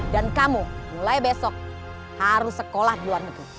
dan kamu mulai besok harus sekolah di luar negeri